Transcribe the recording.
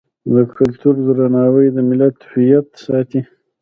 د کلتور درناوی د ملت هویت ساتي.